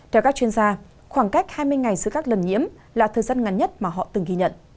theo các chuyên gia khoảng cách hai mươi ngày giữa các lần nhiễm là thời gian ngắn nhất mà họ từng ghi nhận